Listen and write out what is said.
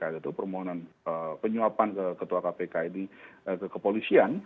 yaitu permohonan penyuapan ke ketua kpk ini ke kepolisian